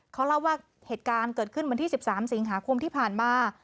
เขาเล่าว่าเหตุการณ์เกิดขึ้นวันที่๑๓สิงหาคมที่ผ่านมา